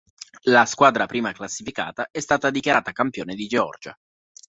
La squadra prima classificata è stata dichiarata campione di Georgia.